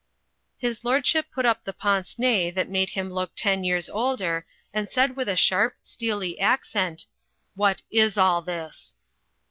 His lordship put up the pince nez that made him look ten years older, and said with a sharp, steely ac cent, "What is all this?"